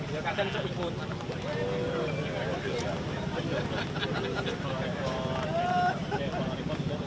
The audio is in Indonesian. ya kacang sedikit